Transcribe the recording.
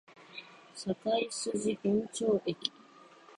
堺筋本町駅